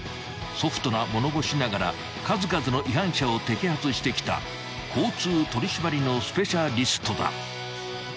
［ソフトな物腰ながら数々の違反者を摘発してきた交通取り締まりのスペシャリストだ］